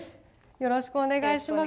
よろしくお願いします。